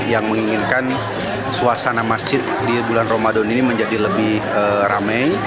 yang menginginkan suasana masjid di bulan ramadan ini menjadi lebih ramai